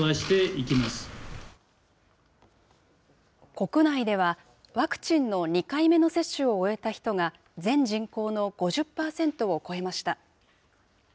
国内では、ワクチンの２回目の接種を終えた人が、全人口の５０％を超えました。